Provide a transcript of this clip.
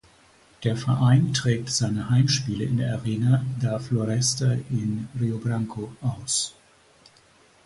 Der Verein trägt seine Heimspiele in der Arena da Floresta in Rio Branco aus.